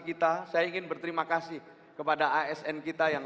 ketika kita berubah ke jawa timur ini